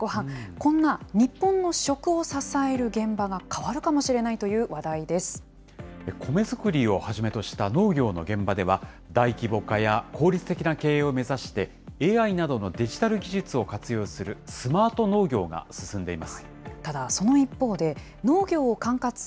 こんな日本の食を支える現場が変コメづくりをはじめとした農業の現場では、大規模化や効率的な経営を目指して、ＡＩなどのデジタル技術を活用するスマート農業が進んでいます。